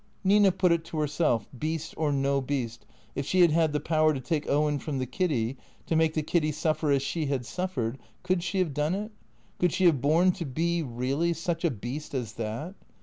Nina put it to herself, beast or no beast, if she had had the power to take Owen from the Kiddy, to make the Kiddy suffer as she had suffered, could she have done it? Could she have borne to be, really, such a beast as that?